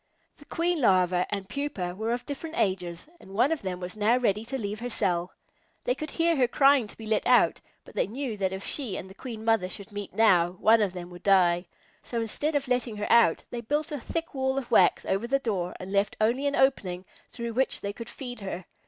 The Queen Larvæ and Pupæ were of different ages, and one of them was now ready to leave her cell. They could hear her crying to be let out, but they knew that if she and the Queen Mother should meet now, one of them would die. So instead of letting her out, they built a thick wall of wax over the door and left only an opening through which they could feed her.